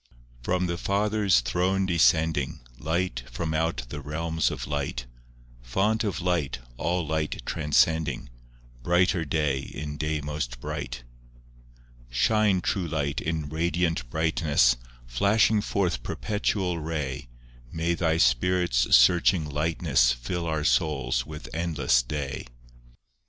I From the Father's throne descending, Light from out the realms of light; Font of light, all light transcending, Brighter day in day most bright. II Shine, True Light, in radiant brightness, Flashing forth perpetual ray; May Thy Spirit's searching lightness, Fill our souls with endless day.